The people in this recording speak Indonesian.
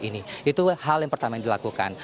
itu hal yang pertama yang dilakukan